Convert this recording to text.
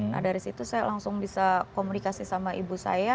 nah dari situ saya langsung bisa komunikasi sama ibu saya